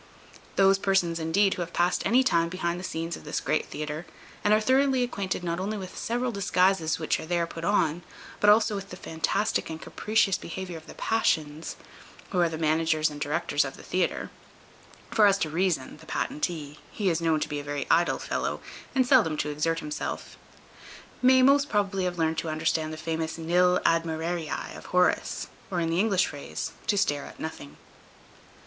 Those persons, indeed, who have passed any time behind the scenes of this great theatre, and are thoroughly acquainted not only with the several disguises which are there put on, but also with the fantastic and capricious behaviour of the Passions, who are the managers and directors of this theatre (for as to Reason, the patentee, he is known to be a very idle fellow and seldom to exert himself), may most probably have learned to understand the famous nil admirari of Horace, or in the English phrase, to stare at nothing.